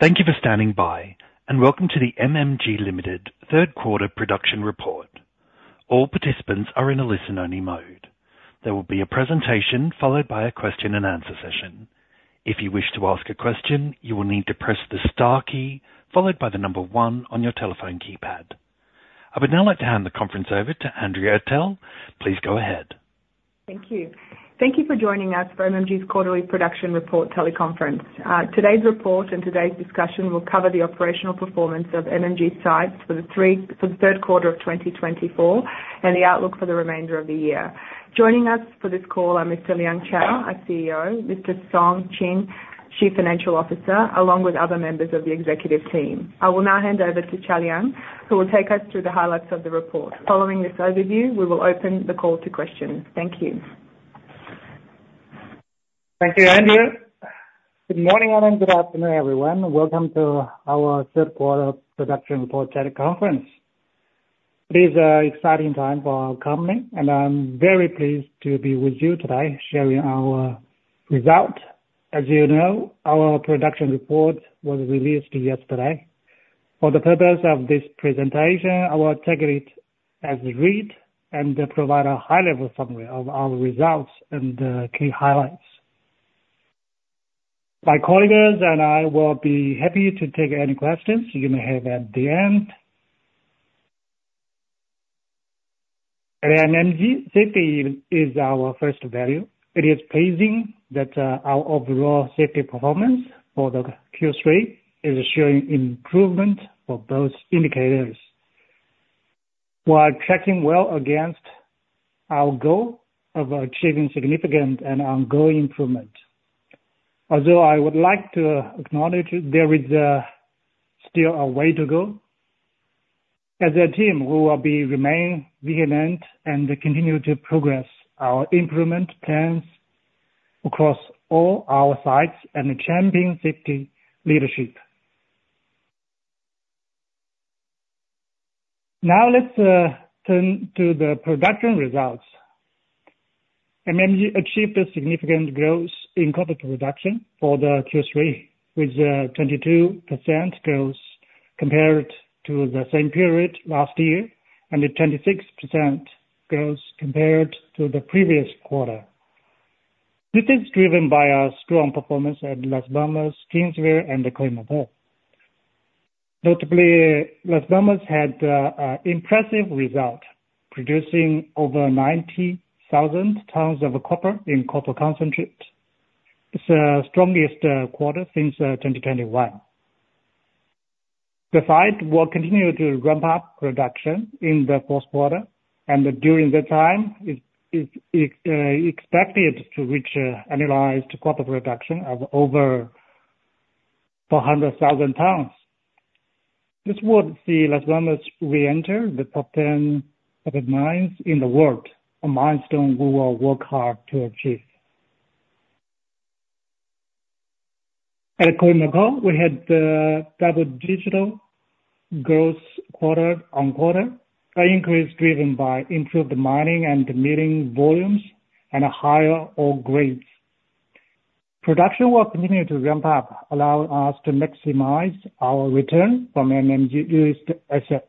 Thank you for standing by, and welcome to the MMG Limited third quarter production report. All participants are in a listen-only mode. There will be a presentation followed by a question and answer session. If you wish to ask a question, you will need to press the star key followed by the number one on your telephone keypad. I would now like to hand the conference over to Andrea Atell. Please go ahead. Thank you. Thank you for joining us for MMG's quarterly production report teleconference. Today's report and today's discussion will cover the operational performance of MMG sites for the third quarter of 2024, and the outlook for the remainder of the year. Joining us for this call are Mr. Liang Cao, our CEO, Mr. Song Qian, Chief Financial Officer, along with other members of the executive team. I will now hand over to Cao Liang, who will take us through the highlights of the report. Following this overview, we will open the call to questions. Thank you. Thank you, Andrea. Good morning and good afternoon, everyone. Welcome to our third quarter production report teleconference. It is an exciting time for our company, and I'm very pleased to be with you today, sharing our results. As you know, our production report was released yesterday. For the purpose of this presentation, I will take it as read and provide a high-level summary of our results and key highlights. My colleagues and I will be happy to take any questions you may have at the end. At MMG, safety is our first value. It is pleasing that our overall safety performance for the Q3 is showing improvement for both indicators. We are tracking well against our goal of achieving significant and ongoing improvement. Although I would like to acknowledge there is still a way to go, as a team, we will be remain vigilant and continue to progress our improvement plans across all our sites and champion safety leadership. Now let's turn to the production results. MMG achieved a significant growth in copper production for the Q3, with 22% growth compared to the same period last year, and a 26% growth compared to the previous quarter. This is driven by our strong performance at Las Bambas, Kinsevere, and Khoemacau. Notably, Las Bambas had an impressive result, producing over 90,000 tons of copper in copper concentrate. It's the strongest quarter since 2021. The site will continue to ramp up production in the fourth quarter, and during that time, it is expected to reach an annualized quarter production of over 400,000 tons. This would see Las Bambas reenter the top 10 open mines in the world, a milestone we will work hard to achieve. At Khoemacau, we had double-digit growth quarter on quarter, an increase driven by improved mining and milling volumes and higher ore grades. Production will continue to ramp up, allowing us to maximize our return from MMG's newest asset.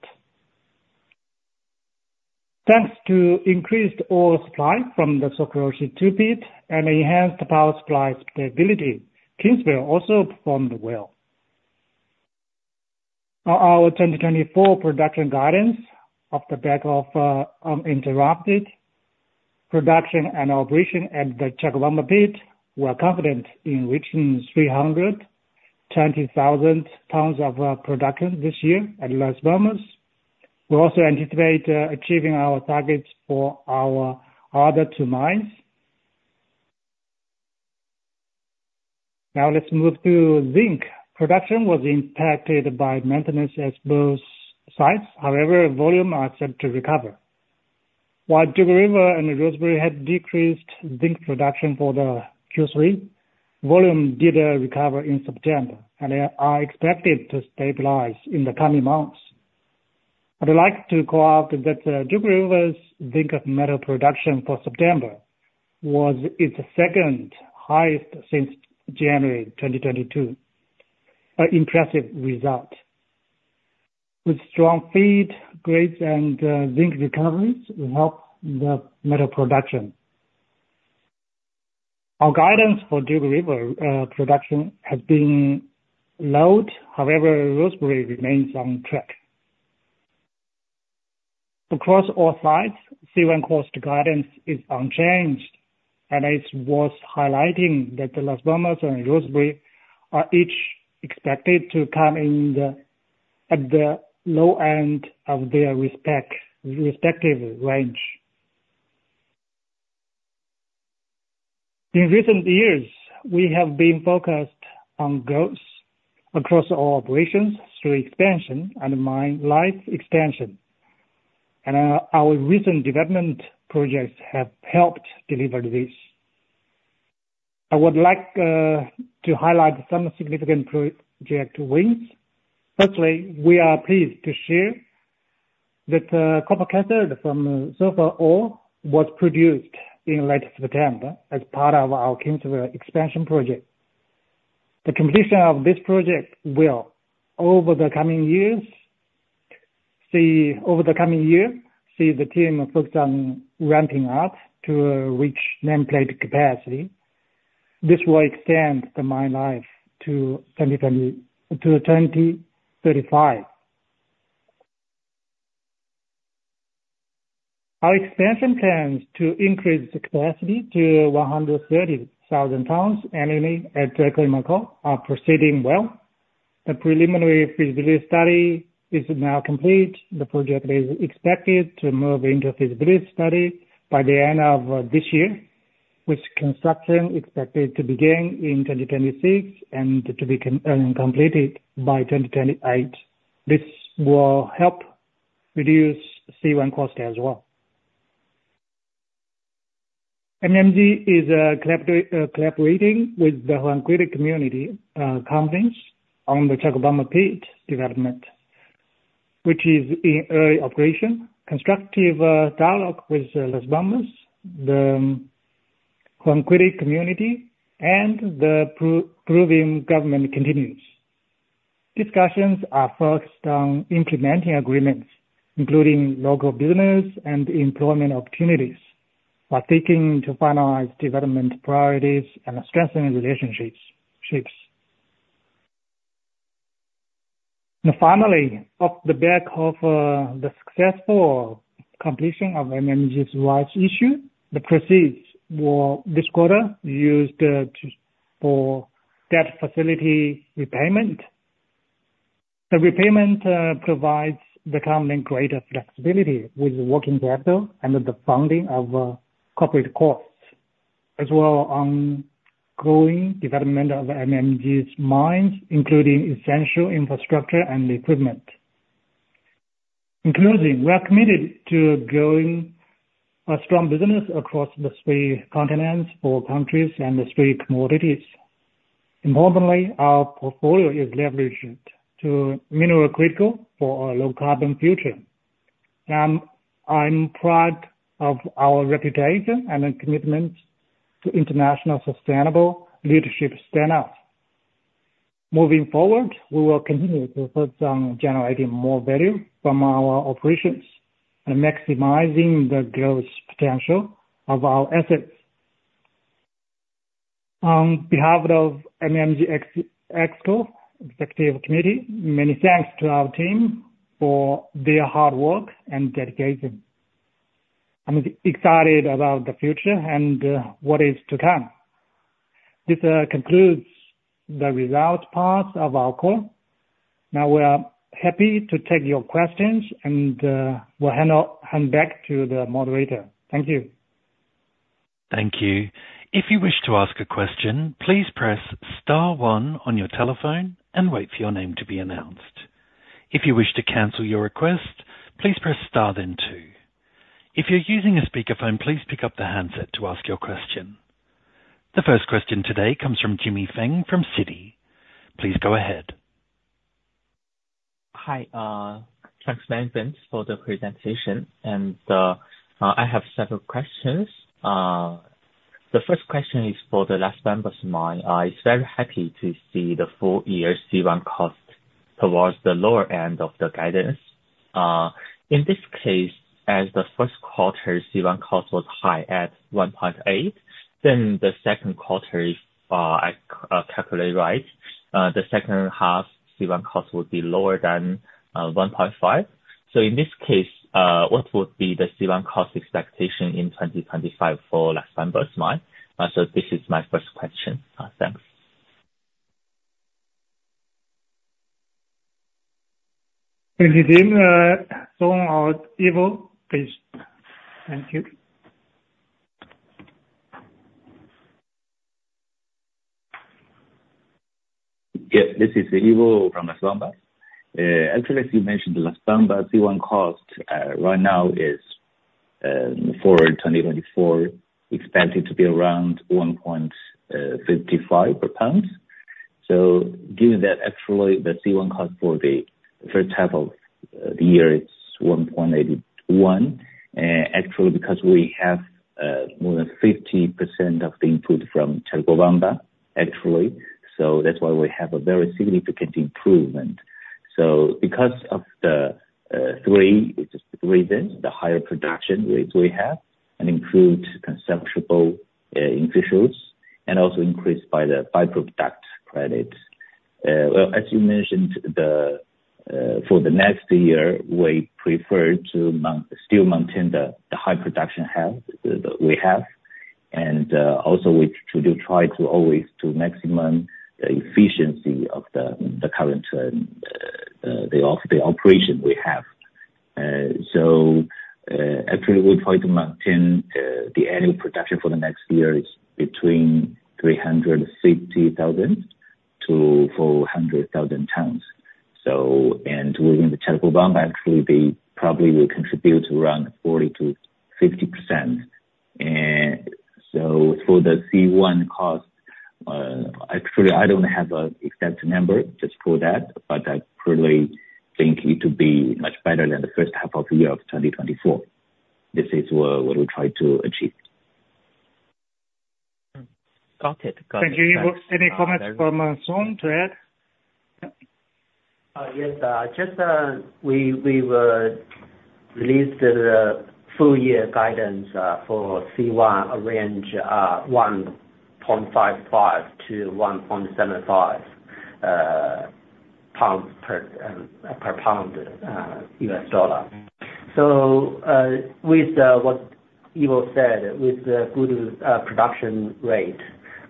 Thanks to increased ore supply from the Sokoroshe II pit and enhanced power supply stability, Kinsevere also performed well. For our 2024 production guidance off the back of uninterrupted production and operation at the Chalcobamba pit, we are confident in reaching 320,000 tons of production this year at Las Bambas. We also anticipate achieving our targets for our other two mines. Now let's move to zinc. Production was impacted by maintenance at both sites. However, volume are set to recover. While Dugald River and Rosebery had decreased zinc production for the Q3, volume did recover in September and are expected to stabilize in the coming months. I'd like to call out that Dugald River's zinc metal production for September was its second highest since January 2022. An impressive result. With strong feed grades and zinc recoveries will help the metal production. Our guidance for Dugald River production has been low. However, Rosebery remains on track. Across all sites, C1 cost guidance is unchanged, and it's worth highlighting that the Las Bambas and Rosebery are each expected to come in at the low end of their respective range. In recent years, we have been focused on growth across all operations through expansion and mine life expansion, and our recent development projects have helped deliver this. I would like to highlight some significant project wins. Firstly, we are pleased to share that copper cathode from sulfide ore was produced in late September as part of our Kinsevere expansion project. The completion of this project will, over the coming years, see over the coming year, see the team focused on ramping up to reach nameplate capacity. This will extend the mine life to 2020-2035. Our expansion plans to increase the capacity to 130,000 tons annually at Khoemacau are proceeding well. The preliminary feasibility study is now complete. The project is expected to move into feasibility study by the end of this year, with construction expected to begin in 2026 and to be completed by 2028. This will help reduce C1 cost as well. MMG is collaborating with the Huancuire community, companies on the Chalcobamba pit development, which is in early operation. Constructive dialogue with Las Bambas, the Huancuire community, and the Peruvian government continues. Discussions are focused on implementing agreements, including local business and employment opportunities, while seeking to finalize development priorities and strengthening relationships. Finally, off the back of the successful completion of MMG's rights issue, the proceeds for this quarter used to for debt facility repayment. The repayment provides the company greater flexibility with working capital and the funding of corporate costs, as well on ongoing development of MMG's mines, including essential infrastructure and equipment. In closing, we are committed to growing a strong business across the three continents, four countries, and the three commodities. Importantly, our portfolio is leveraged to mineral critical for our low carbon future. I'm proud of our reputation and the commitment to international sustainable leadership stand out. Moving forward, we will continue to focus on generating more value from our operations and maximizing the growth potential of our assets. On behalf of MMG Exco, Executive Committee, many thanks to our team for their hard work and dedication. I'm excited about the future and what is to come. This concludes the results part of our call. Now, we are happy to take your questions, and we'll hand back to the moderator. Thank you. Thank you. If you wish to ask a question, please press star one on your telephone and wait for your name to be announced. If you wish to cancel your request, please press star then two. If you're using a speakerphone, please pick up the handset to ask your question. The first question today comes from Jimmy Feng from Citi. Please go ahead. Hi. Thanks, management, for the presentation, and I have several questions. The first question is for the Las Bambas mine. I is very happy to see the full year C1 cost towards the lower end of the guidance. In this case, as the first quarter C1 cost was high at 1.8, then the second quarter is, I calculate right, the second half C1 cost would be lower than 1.5. So in this case, what would be the C1 cost expectation in 2025 for Las Bambas mine? So this is my first question. Thanks. Thank you, Jim. So, over to our Ivo, please. Thank you. Yes, this is Ivo from Las Bambas. Actually, as you mentioned, the Las Bambas C1 cost right now is for 2024 expected to be around $1.55 per pound. So given that actually the C1 cost for the first half of the year is $1.81, actually, because we have more than 50% of the input from Chalcobamba, actually, so that's why we have a very significant improvement. So because of the three, just three reasons, the higher production which we have and improved consumables and efficiencies, and also increased by the byproduct credit. Well, as you mentioned, for the next year, we prefer to still maintain the high production we have, and also we try to always maximize the efficiency of the current operation we have. So, actually, we try to maintain the annual production for the next year between 360,000-400,000 tons. And within the Chalcobamba, actually, they probably will contribute around 40%-50%. And so for the C1 cost. Actually, I don't have an exact number just for that, but I probably think it will be much better than the first half of the year of 2024. This is what we try to achieve. Got it. Got it. Thank you, any comments from, Song to add? Yes, just we were released the full year guidance for C1, a range $1.55-$1.75 per pound. With what Ivo said, with the good production rate,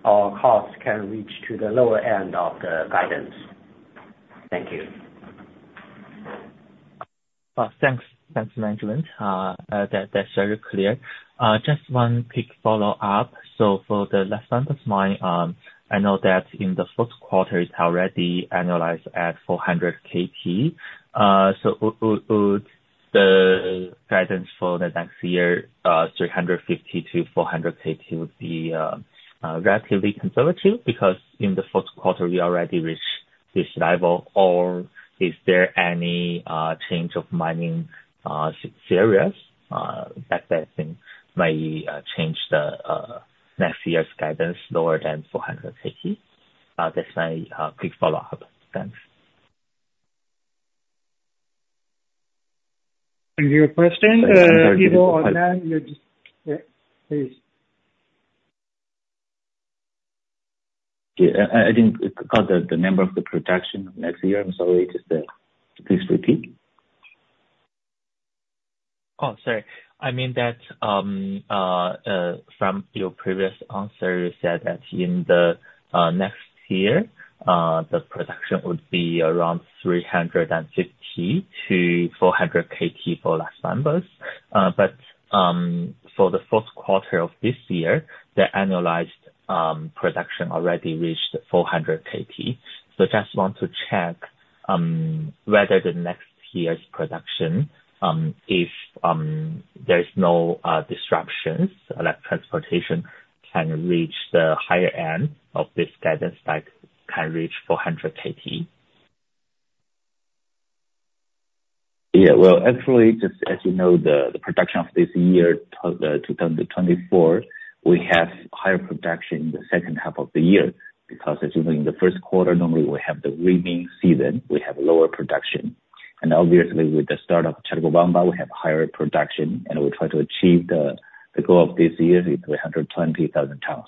our costs can reach to the lower end of the guidance. Thank you. Thanks, management. That’s very clear. Just one quick follow-up. So for the last one of mine, I know that in the first quarter it’s already annualized at 400 KT. So would the guidance for the next year, 350-400 KT, be relatively conservative? Because in the first quarter, we already reached this level. Or is there any change of mining areas that may change the next year’s guidance lower than 400 KT? That’s my quick follow-up. Thanks. Any other question, Ivo or Nan, you're just... Yeah, please. Yeah, I didn't caught the number of the production next year. I'm sorry, just please repeat. Oh, sorry. I mean that, from your previous answer, you said that in the, next year, the production would be around 350-400 KT for Las Bambas. But, for the first quarter of this year, the annualized production already reached 400 KT. So just want to check, whether the next year's production, if, there's no, disruptions like transportation can reach the higher end of this guidance, like, can reach 400 KT. Yeah, well, actually, just as you know, the production of this year, twenty twenty-four, we have higher production in the second half of the year, because as you know, in the first quarter, normally we have the rainy season, we have lower production. And obviously, with the start of Chalcobamba, we have higher production, and we try to achieve the goal of this year is three hundred and twenty thousand tons.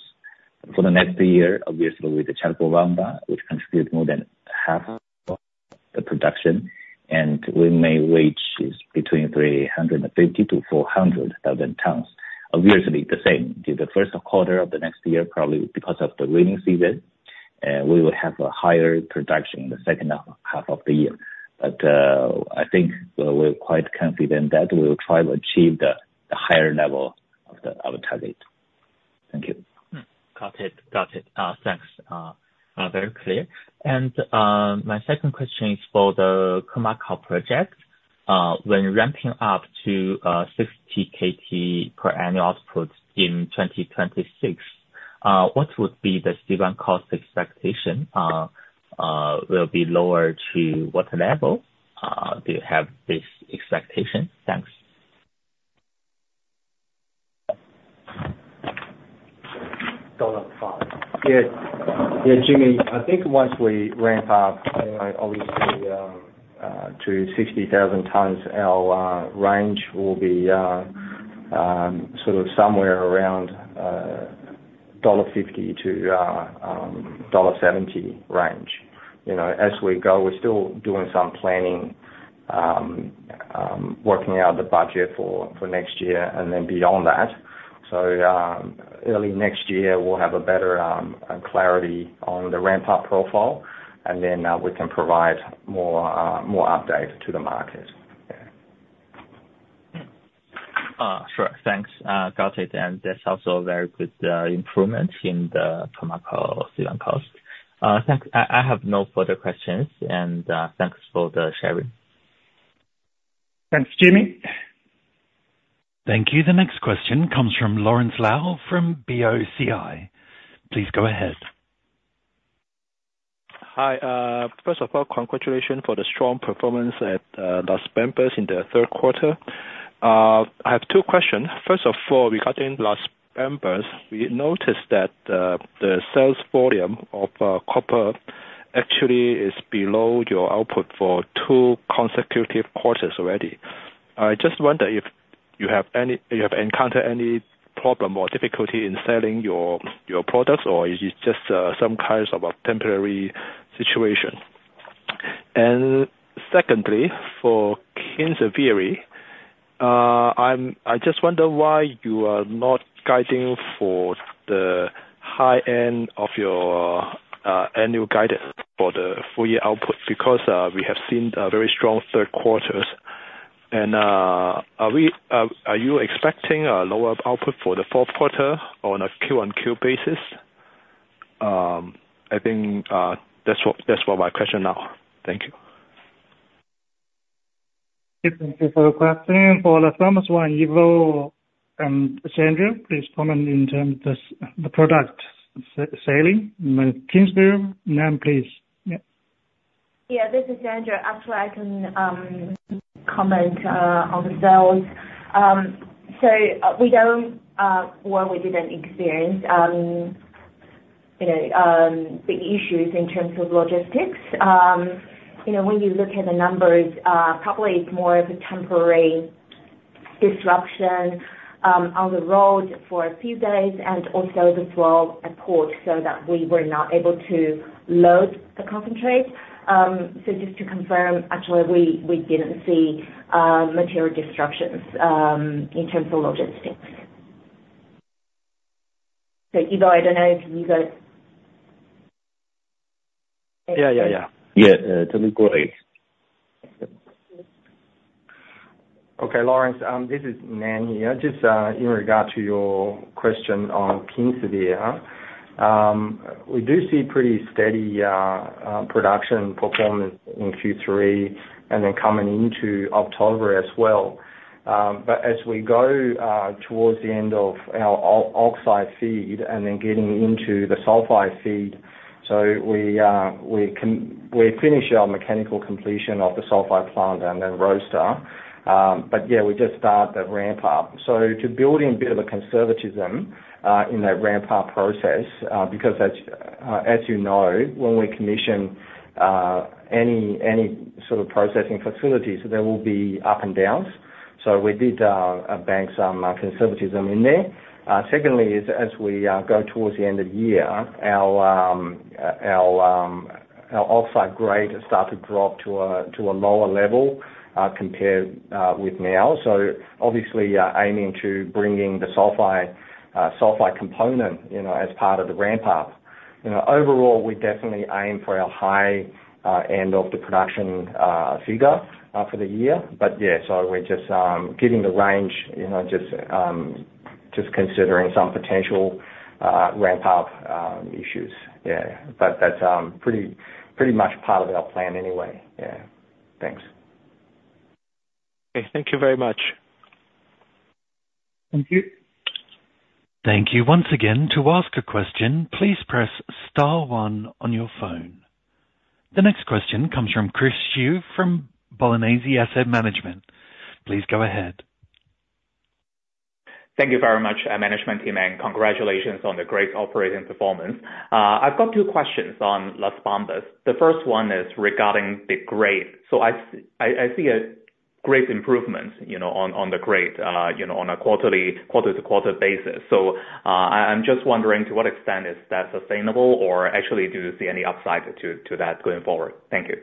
For the next year, obviously, with the Chalcobamba, which contributes more than half of the production, and we may reach between three hundred and fifty to four hundred thousand tons. Obviously, the same, the first quarter of the next year, probably because of the rainy season, we will have a higher production in the second half of the year. I think we're quite confident that we will try to achieve the higher level of our target. Thank you. Got it. Thanks. Very clear. My second question is for the Khoemacau project. When ramping up to 60 KT per annual output in 2026, what would be the C1 cost expectation? Will it be lower to what level? Do you have this expectation? Thanks. Go on, Nan. Yeah. Yeah, Jimmy, I think once we ramp up, obviously, to 60,000 tons, our range will be sort of somewhere around $50-$70 range. You know, as we go, we're still doing some planning, working out the budget for next year and then beyond that. So, early next year, we'll have a better clarity on the ramp-up profile, and then we can provide more update to the market. Yeah. Sure. Thanks. Got it, and that's also a very good improvement in the Khoemacau C1 cost. Thanks. I have no further questions, and thanks for the sharing. Thanks, Jimmy. Thank you. The next question comes from Lawrence Lau, from BOCI. Please go ahead. Hi. First of all, congratulations for the strong performance at Las Bambas in the third quarter. I have two questions. First of all, regarding Las Bambas, we noticed that the sales volume of copper actually is below your output for two consecutive quarters already. I just wonder if you have encountered any problem or difficulty in selling your products, or is it just some kinds of a temporary situation? And secondly, for Kinsevere, I just wonder why you are not guiding for the high end of your annual guidance for the full year output, because we have seen a very strong third quarters. And are you expecting a lower output for the fourth quarter on a Q-on-Q basis? I think that's all my question now. Thank you. .Thank you for the question. For the first one, Ivo, Sandra, please comment in terms of the products selling, Kinsevere, Nan, please. Yeah. Yeah, this is Sandra. Actually, I can comment on the sales. So, we don't, well, we didn't experience, you know, big issues in terms of logistics. You know, when you look at the numbers, probably it's more of a temporary disruption on the road for a few days and also as well, a port, so that we were not able to load the concentrate. So just to confirm, actually, we didn't see material disruptions in terms of logistics. So Ivo, I don't know if you got- Yeah, yeah, yeah. Yeah, totally agree. Okay, Lawrence, this is Nan here. Just, in regard to your question on Kinsevere, we do see pretty steady production performance in Q3 and then coming into October as well. But as we go towards the end of our oxide feed and then getting into the sulfide feed, so we finish our mechanical completion of the sulfide plant and then roaster. But yeah, we just start the ramp up. So to build in a bit of a conservatism in that ramp up process, because as you know, when we commission any sort of processing facilities, there will be up and downs. So we did bank some conservatism in there. Secondly, as we go towards the end of the year, our oxide grade starts to drop to a lower level compared with now. So obviously, aiming to bringing the sulfide component, you know, as part of the ramp up. You know, overall, we definitely aim for a high end of the production figure for the year. But yeah, so we're just giving the range, you know, just considering some potential ramp up issues. Yeah. But that's pretty much part of our plan anyway. Yeah. Thanks. Okay, thank you very much. Thank you. Thank you once again. To ask a question, please press star one on your phone. The next question comes from Chris Xu from Polymer Capital Management. Please go ahead. Thank you very much, management team, and congratulations on the great operating performance. I've got two questions on Las Bambas. The first one is regarding the grade. So I see a great improvement, you know, on the grade, you know, on a quarterly, quarter-to-quarter basis. So, I'm just wondering, to what extent is that sustainable or actually do you see any upside to that going forward? Thank you.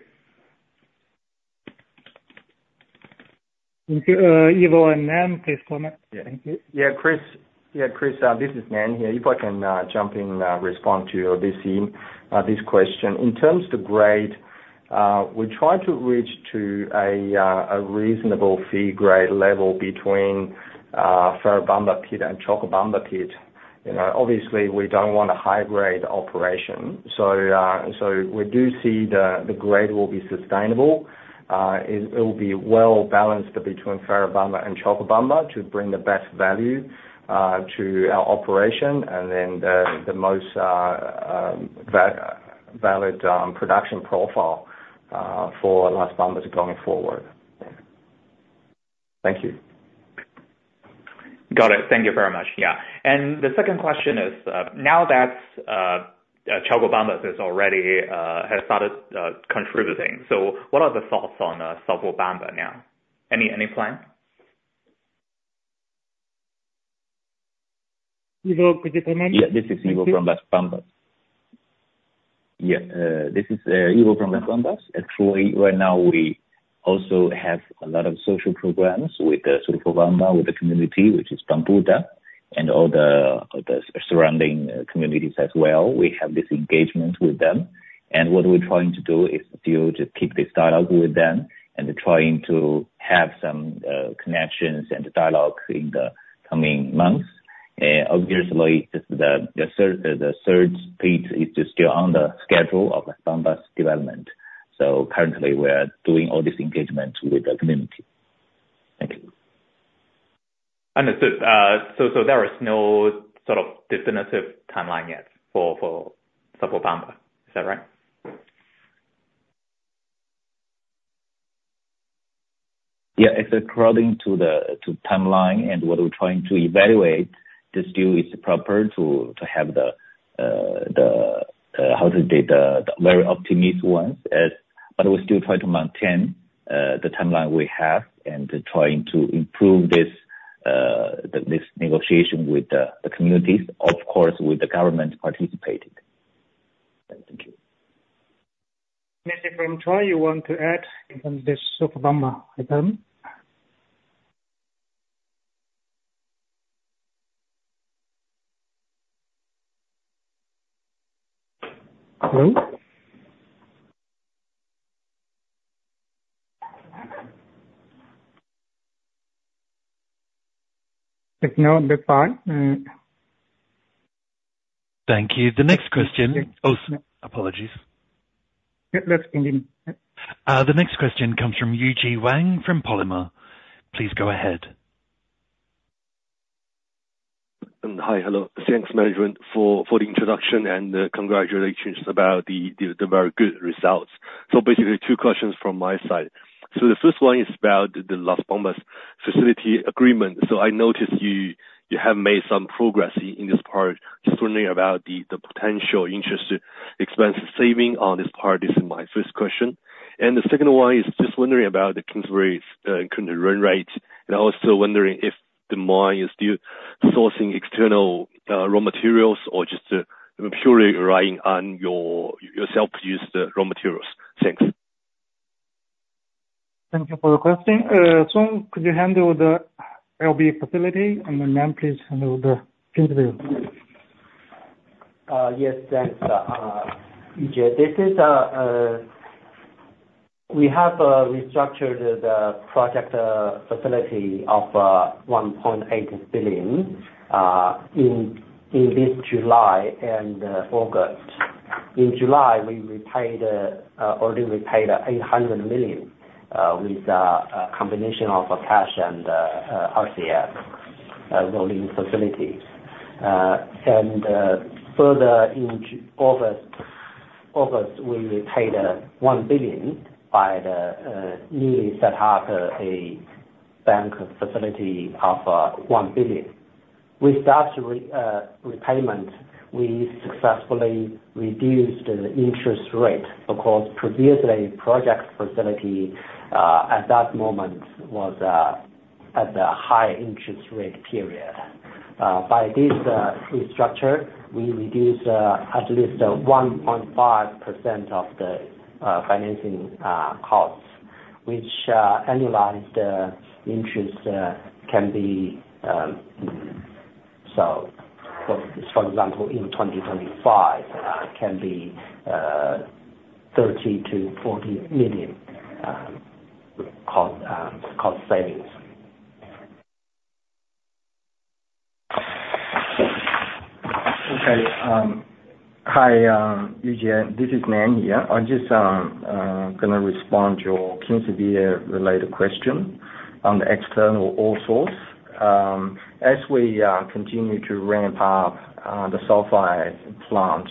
Thank you, Ivo and Nan, please comment. Yeah. Yeah, Chris. Yeah, Chris, this is Nan here. If I can jump in and respond to this question. In terms of the grade, we try to reach to a reasonable ore grade level between Ferrobamba Pit and Chalcobamba Pit. You know, obviously, we don't want a high grade operation. So we do see the grade will be sustainable. It will be well balanced between Ferrobamba and Chalcobamba to bring the best value to our operation, and then the most valid production profile for Las Bambas going forward. Thank you. Got it. Thank you very much. Yeah. And the second question is, now that, Chalcobamba is already, has started, contributing, so what are the thoughts on, in Chalcobamba now? Any plan? Ivo, could you comment? Yeah, this is Ivo from Las Bambas. Actually, right now, we also have a lot of social programs with the Chalcobamba, with the community, which is Pamputa, and all the surrounding communities as well. We have this engagement with them, and what we're trying to do is still to keep this dialogue with them and trying to have some connections and dialogue in the coming months. Obviously, the third pit is still on the schedule of the Las Bambas development. So currently we are doing all this engagement with the community. Thank you. Understood. So, there is no sort of definitive timeline yet for Chalcobamba, is that right? Yeah, according to the timeline and what we're trying to evaluate, this deal is proper to have the how to date very optimistic ones. But we still try to maintain the timeline we have and trying to improve this negotiation with the communities, of course, with the government participating. Thank you. Anything from Troy you want to add on this Chalcobamba item? Hello? Thank you. The next question- Oh, apologies. The next question comes from Yuji Wang from Polymer. Please go ahead. Hi. Hello. Thanks, management, for the introduction, and congratulations about the very good results. So basically, two questions from my side. So the first one is about the Las Bambas facility agreement. So I noticed you have made some progress in this part. Just wondering about the potential interest expense saving on this part. This is my first question. And the second one is just wondering about the Kinsevere current run rate, and I was still wondering if the mine is still sourcing external raw materials or just purely relying on your self-used raw materials. Thanks. Thank you for your question. Song, could you handle the LB facility? And then, Nan, please handle the Kinsevere. Yes, thanks, Yuji. This is, we have restructured the project facility of $1.8 billion in this July and August. In July, we repaid eight hundred million with a combination of cash and RCF rolling facility. And further in August, we repaid one billion by the newly set up a bank facility of one billion. With that repayment, we successfully reduced the interest rate, because previously, project facility at that moment was at a high interest rate period. By this restructure, we reduced at least 1.5% of the financing costs, which annualized interest can be... For example, in 2025, can be $30-40 million cost savings. Okay, hi, Yuji, this is Nan here. I'm just gonna respond to your Kinsevere-related question on the external ore source. As we continue to ramp up the sulfide plant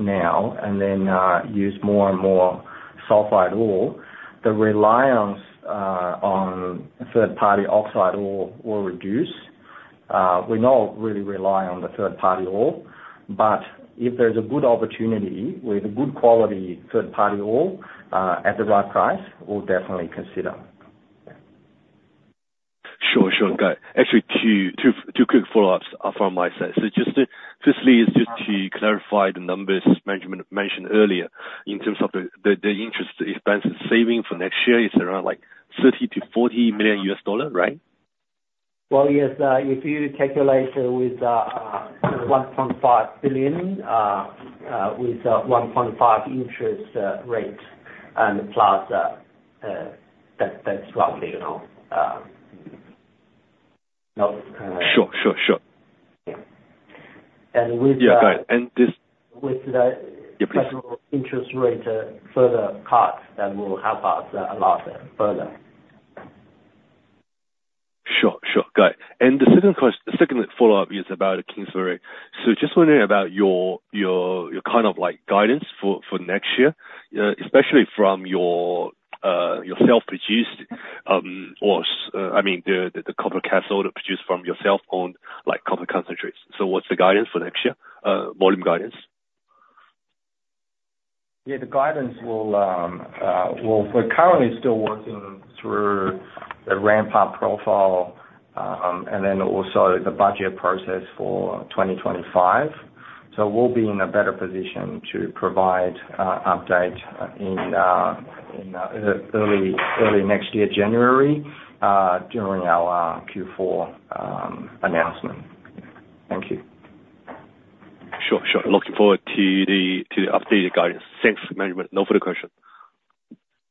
now, and then use more and more sulfide ore, the reliance on third-party oxide ore will reduce. We not really rely on the third-party ore, but if there's a good opportunity with a good quality third-party ore at the right price, we'll definitely consider. Sure. Sure, got it. Actually, two quick follow-ups from my side. So just firstly, is just to clarify the numbers management mentioned earlier, in terms of the interest expense saving for next year is around, like, $30-$40 million, right? Yes, if you calculate with $1.5 billion with 1.5% interest rate and plus, that's roughly, you know, not- Sure, sure, sure. And with the- Yeah, got it. And this- With the- Yeah, please. Federal interest rate further cut, that will help us a lot further. Sure. Sure, got it. And the second follow-up is about Kinsevere. So just wondering about your kind of like, guidance for next year, especially from your self-produced, I mean, the copper cathode produced from your self-owned, like, copper concentrates. So what's the guidance for next year, volume guidance? Yeah, the guidance will. Well, we're currently still working through the ramp-up profile, and then also the budget process for twenty twenty-five. So we'll be in a better position to provide update in early next year, January, during our Q4 announcement. Thank you. Sure. Sure. Looking forward to the updated guidance. Thanks, management. No further question.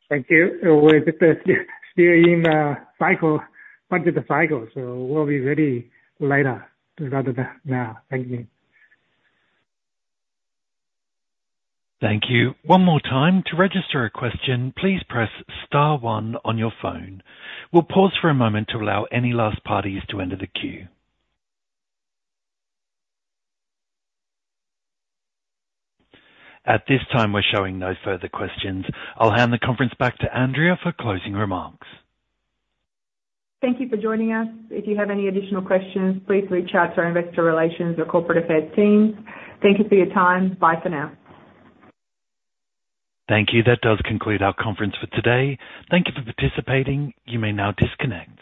Thank you. We're just still in the cycle, budget cycle, so we'll be ready later rather than now. Thank you. Thank you. One more time, to register a question, please press star one on your phone. We'll pause for a moment to allow any last parties to enter the queue. At this time, we're showing no further questions. I'll hand the conference back to Andrea for closing remarks. Thank you for joining us. If you have any additional questions, please reach out to our investor relations or corporate affairs team. Thank you for your time. Bye for now. Thank you. That does conclude our conference for today. Thank you for participating. You may now disconnect.